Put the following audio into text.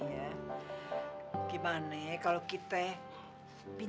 siapa tahu aji muda sama aja yang udah mau tertarik sama pengobatan